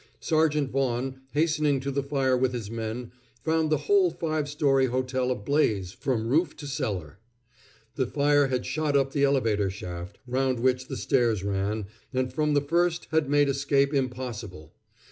Sergeant Vaughan, hastening to the fire with his men, found the whole five story hotel ablaze from roof to cellar. The fire had shot up the elevator shaft, round which the stairs ran, and from the first had made escape impossible.